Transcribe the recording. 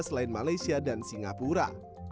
selain malaysia dan singapura